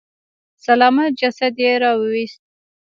سلامت جسد يې راويست.